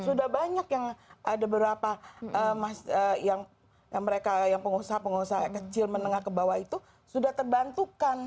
sudah banyak yang ada beberapa yang mereka yang pengusaha pengusaha kecil menengah ke bawah itu sudah terbantukan